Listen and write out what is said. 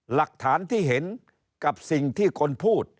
หลักฐานที่เห็นกับสิ่งที่คนพูด